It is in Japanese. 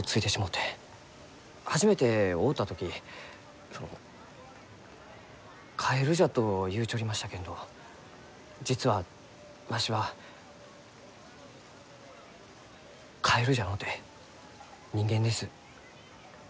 初めて会うた時その「カエルじゃ」と言うちょりましたけんど実はわしはカエルじゃのうて人間です。